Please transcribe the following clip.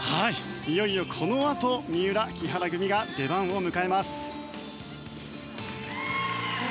いよいよこのあと三浦、木原組が出番です。